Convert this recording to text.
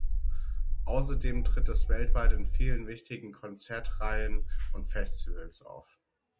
Außerdem tritt es weltweit in vielen wichtigen Konzertreihen und Festivals auf.